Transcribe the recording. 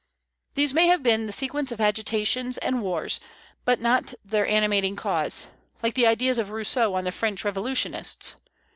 These may have been the sequence of agitations and wars, but not their animating cause, like the ideas of Rousseau on the French revolutionists.